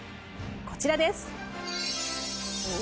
こちらです！